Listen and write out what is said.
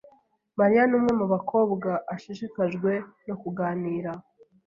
Mariya numwe mubakobwa ashishikajwe no kuganira.